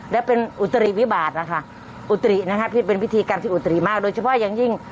และเป็นอุตริวิบาทนะคะอุตรินะคะพี่เป็นพิธีกรรมที่อุตรีมากโดยเฉพาะอย่างยิ่ง